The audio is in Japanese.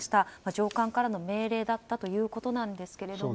上官からの命令だったということなんですけども。